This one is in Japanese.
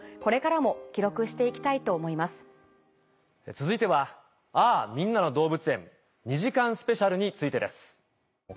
続いては『嗚呼‼みんなの動物園２時間ＳＰ』についてです。